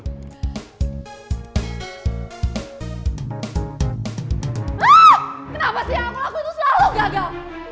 kenapa sih aku laku itu selalu gagal